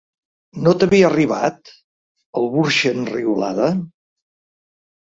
No t'havia arribat? —el burxa enriolada—.